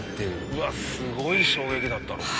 うわっすごい衝撃だったろうな。